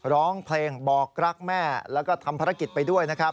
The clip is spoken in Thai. ร้องเพลงบอกรักแม่แล้วก็ทำภารกิจไปด้วยนะครับ